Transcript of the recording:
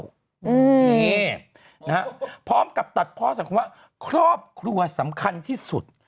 นี่นะฮะพร้อมกับตัดพ่อสังคมว่าครอบครัวสำคัญที่สุด